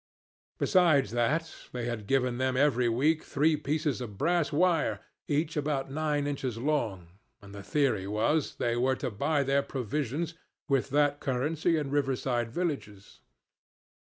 Besides that, they had given them every week three pieces of brass wire, each about nine inches long; and the theory was they were to buy their provisions with that currency in river side villages.